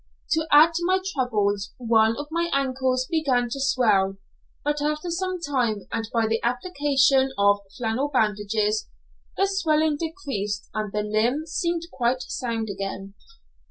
To add to my troubles, one of my ankles began to swell, but after some time, and by the application of flannel bandages, the swelling decreased and the limb seemed quite sound again.